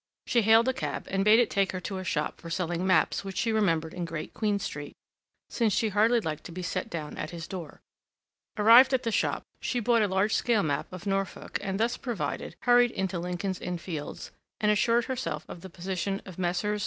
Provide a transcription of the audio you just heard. She hailed a cab, and bade it take her to a shop for selling maps which she remembered in Great Queen Street, since she hardly liked to be set down at his door. Arrived at the shop, she bought a large scale map of Norfolk, and thus provided, hurried into Lincoln's Inn Fields, and assured herself of the position of Messrs.